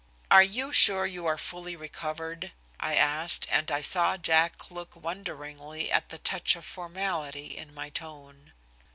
"Are you sure you are fully recovered?" I asked, and I saw Jack look wonderingly at the touch of formality in my tone.